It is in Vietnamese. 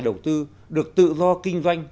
đầu tư được tự do kinh doanh